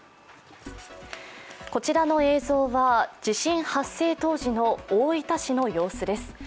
こちらの映像は、地震発生当時の大分市の様子です。